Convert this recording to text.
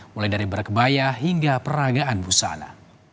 mulai dari berkebaya hingga peragaan busana